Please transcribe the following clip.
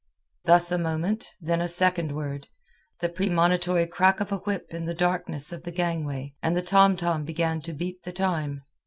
Thus a moment, then a second word, the premonitory crack of a whip in the darkness of the gangway, and the tomtom began to beat the time.